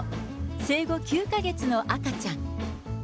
生後９か月の赤ちゃん。